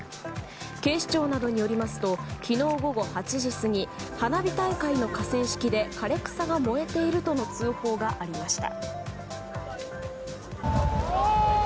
警視庁などによりますと昨日午後８時過ぎ花火大会の河川敷で枯れ草が燃えているとの通報がありました。